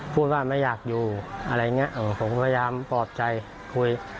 พูดว่าไม่อยากอยู่อะไรอย่างนี้ผมก็พยายามปลอบใจคุย